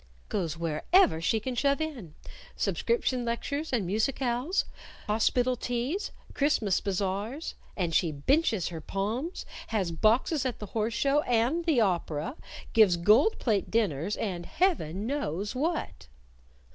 "Goes wherever she can shove in subscription lectures and musicales, hospital teas, Christmas bazars. And she benches her Poms; has boxes at the Horse Show and the Opera; gives gold plate dinners, and Heaven knows what!"